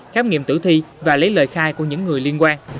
khám nghiệm tử thi và lấy lời khai của những người liên quan